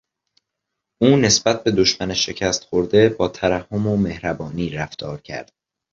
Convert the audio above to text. او نسبت به دشمن شکست خورده با ترحم و مهربانی رفتارکرد.